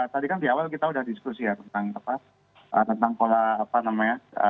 tadi kan di awal kita sudah diskusi ya tentang